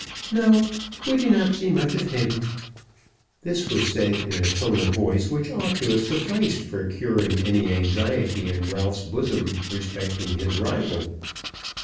"No; We do not see much of him." This was said in a tone of voice which ought to have sufficed for curing any anxiety in Ralph's bosom respecting his rival.